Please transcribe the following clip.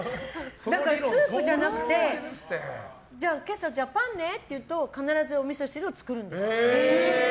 スープじゃなくて今朝、パンねって言うと必ず、おみそ汁を作るんです。